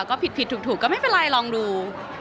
ก็ผิดถูกก็ไม่เป็นไรลองดู